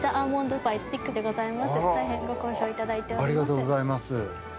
大変ご好評いただいております。